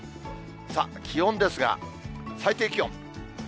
気温ですが、最低気温。